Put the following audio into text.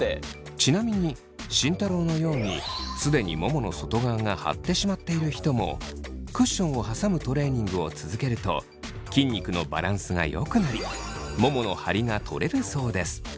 ちなみに慎太郎のように既にももの外側が張ってしまっている人もクッションを挟むトレーニングを続けると筋肉のバランスがよくなりももの張りが取れるそうです。